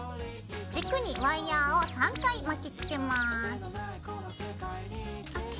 軸にワイヤーを３回巻きつけます。ＯＫ。